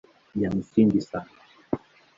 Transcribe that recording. Ya msingi sana